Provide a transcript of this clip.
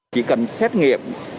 chỉ cần xét nghiệm